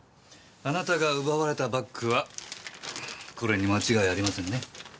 あなたが奪われたバッグはこれに間違いありませんね？